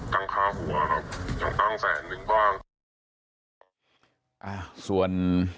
ตั้งค้าหัวครับอย่างตั้งแสนหนึ่งบ้างอ่าส่วน